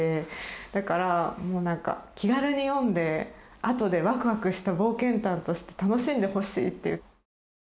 だからもうなんか気軽に読んであとでワクワクした冒険譚として楽しんでほしいっていう。